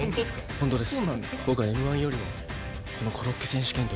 本当です。